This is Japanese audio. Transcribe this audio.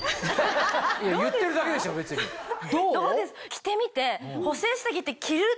着てみて。